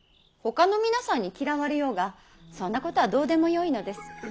ほかの皆さんに嫌われようがそんなことはどうでもよいのです。